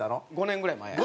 ５年ぐらい前や。